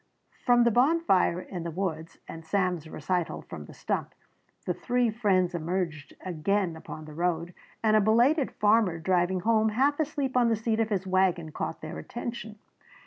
From the bonfire in the woods and Sam's recital from the stump, the three friends emerged again upon the road, and a belated farmer driving home half asleep on the seat of his wagon caught their attention.